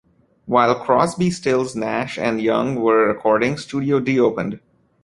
While Crosby Stills Nash and Young were recording, studio D opened.